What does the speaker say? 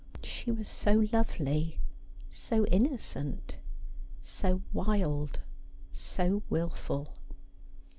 She was so lovely, so innocent, so wild, so wilful.